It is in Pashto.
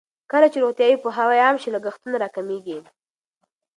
کله چې روغتیايي پوهاوی عام شي، لګښتونه راکمېږي.